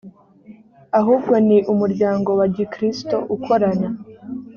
ahubwo ni umuryango wa gikristo ukorana